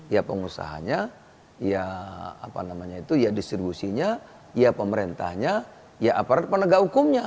ya pengusahanya ya distribusinya ya pemerintahnya ya aparat penegak hukumnya